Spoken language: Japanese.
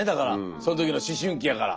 その時の思春期やから。